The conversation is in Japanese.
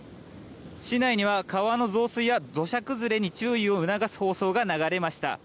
市内には川の増水や土砂崩れに注意を促す放送が流れました。